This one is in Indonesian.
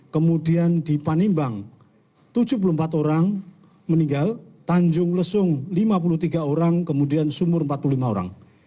kemudian di panimbang tujuh puluh empat orang meninggal tanjung lesung lima puluh tiga orang kemudian sumur empat puluh lima orang